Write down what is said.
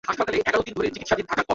তার মা Maria née Wolf ছিলেন গৃহিণী।